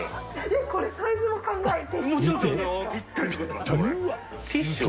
これサイズも考えて。